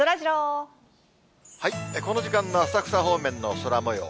この時間の浅草方面の空もよう。